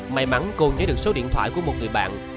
may mắn cô thấy được số điện thoại của một người bạn